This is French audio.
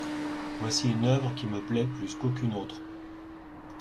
Voici une œuvre qui me plait plus qu'aucune autre.